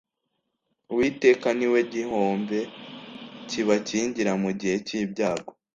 uwiteka ni we gihombe kibakingira mu gihe cyibyago